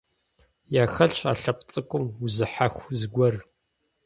Яхэлъщ а лъэпкъ цӀыкӀум узыхьэху зыгуэр.